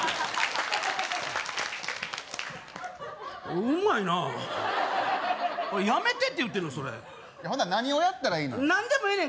うまいなやめてって言うてるのそれほな何をやったらいいの何でもええねん